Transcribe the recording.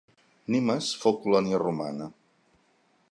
Nimes fou colònia romana.